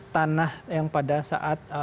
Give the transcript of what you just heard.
tanah yang pada saat